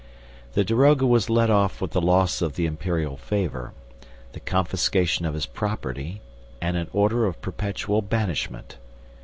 The daroga was let off with the loss of the imperial favor, the confiscation of his property and an order of perpetual banishment.